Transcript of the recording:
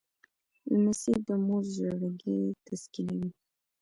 لمسی د مور زړګی تسکینوي.